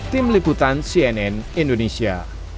tim liputan cnn indonesia